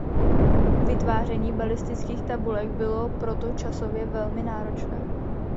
Vytváření balistických tabulek bylo proto časově velmi náročné.